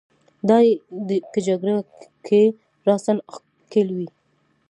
دای که جګړه کې راساً ښکېل وي.